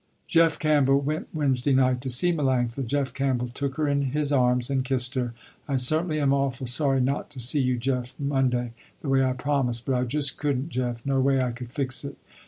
Jeff Campbell went Wednesday night to see Melanctha. Jeff Campbell took her in his arms and kissed her. "I certainly am awful sorry not to see you Jeff Monday, the way I promised, but I just couldn't Jeff, no way I could fix it."